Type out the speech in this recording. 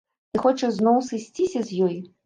Ты хочаш зноў сысціся з ёй?